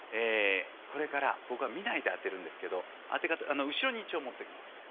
これから僕は見ないで当てるんですけど当て方後ろに一応持っときます。